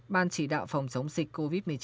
ban chỉ đạo phòng chống dịch covid một mươi chín